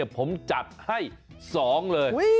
ผมจัดให้๒เลย